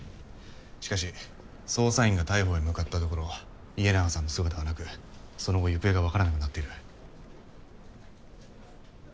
しかし捜査員が逮捕へ向かったところ家長さんの姿はなくその後行方がわからなくなっている。